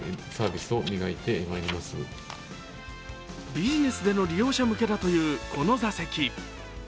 ビジネスでの利用者向けだというこの座席。